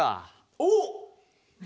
おっ！